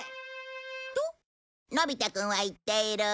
とのび太くんは言っている。